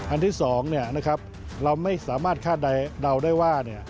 อันที่สองนะครับเราไม่สามารถคาดเดาได้ว่า